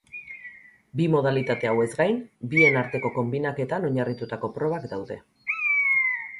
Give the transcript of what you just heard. Bi modalitate hauez gain, bien arteko konbinaketan oinarritutako probak daude.